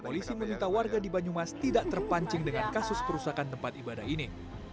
polisi meminta warga di banyumas tidak terpancing dengan kasus perusahaan tempat ibadah ini